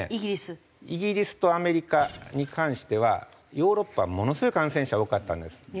イギリスとアメリカに関してはヨーロッパはものすごい感染者が多かったんです。